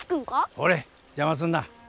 ほれっ邪魔すんな。